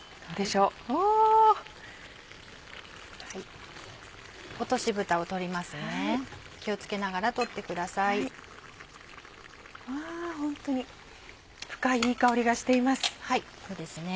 うわホントに深いいい香りがしています。